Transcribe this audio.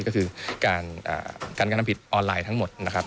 ก็คือการการทำผิดออนไลน์ทั้งหมดนะครับ